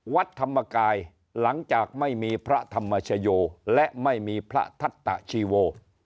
วัดธรรมกายหลังจากไม่มีพระธรรมชโยและไม่มีพระทัตตะชีโว